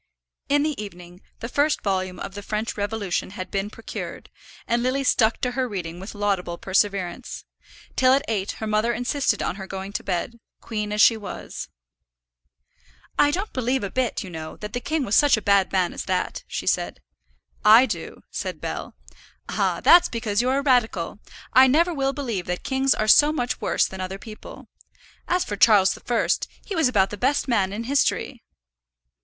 In the evening the first volume of the French Revolution had been procured, and Lily stuck to her reading with laudable perseverance; till at eight her mother insisted on her going to bed, queen as she was. "I don't believe a bit, you know, that the king was such a bad man as that," she said. "I do," said Bell. "Ah, that's because you're a radical. I never will believe that kings are so much worse than other people. As for Charles the First, he was about the best man in history."